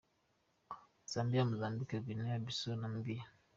Zambia, Mozambique, Guinea-Bissau, Namibia